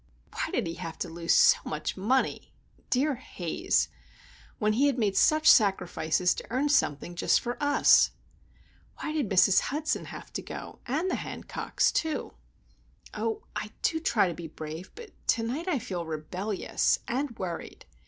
Why did he have to lose so much money,—dear Haze,—when he had made such sacrifices to earn something, just for us? Why did Mrs. Hudson have to go, and the Hancocks, too? Oh, I do try to be brave; but to night I feel rebellious,—and worried!